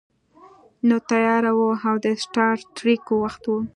نو تیاره وه او د سټار ټریک وخت و